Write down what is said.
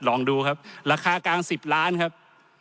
ลองดูครับราคากลาง๑๐ล้านครับ